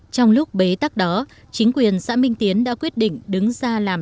trong lúc bế tắc đó chính quyền xã minh tiến đã quyết định đứng ra làm